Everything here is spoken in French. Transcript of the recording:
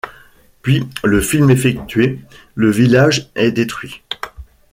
Puis, le film effectué, le village est détruit.